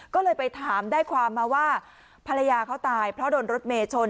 ก็เลยไปถามได้ความมาว่าภรรยาเขาตายเพราะโดนรถเมย์ชน